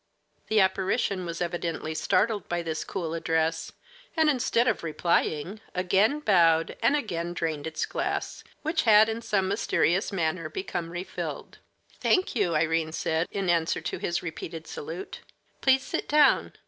The apparition was evidently startled by this cool address, and, instead of replying, again bowed and again drained its glass, which had in some mysterious manner become refilled. "Thank you," Irene said, in answer to his repeated salute; "please sit down.